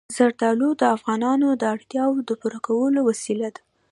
زردالو د افغانانو د اړتیاوو د پوره کولو وسیله ده.